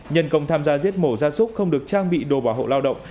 nhân công tham gia giết mổ ra súc không được trang bị đồ bảo hộ lao động